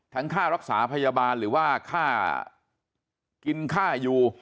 ค่ารักษาพยาบาลหรือว่าค่ากินค่าอยู่